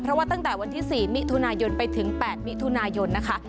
เพราะว่าตั้งแต่วันที่๔มิถุนายนไปถึง๘มิถุนายนนะคะ